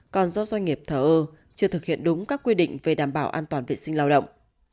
còn do doanh nghiệp thở ơ chưa thực hiện đúng các quy định về đảm bảo an toàn vệ sinh lao động